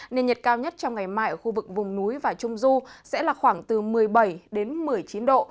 nên nhiệt cao nhất trong ngày mai ở khu vực vùng núi và trung du sẽ là khoảng từ một mươi bảy đến một mươi chín độ